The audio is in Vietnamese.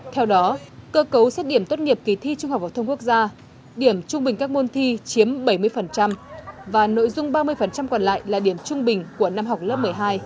theo đó cơ cấu xét điểm tốt nghiệp kỳ thi trung học phổ thông quốc gia điểm trung bình các môn thi chiếm bảy mươi và nội dung ba mươi còn lại là điểm trung bình của năm học lớp một mươi hai